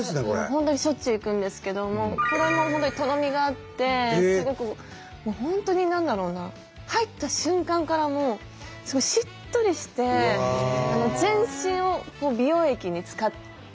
本当にしょっちゅう行くんですけどもこれも本当にとろみがあってすごく本当に何だろうな入った瞬間からもうすごいしっとりしていいですね。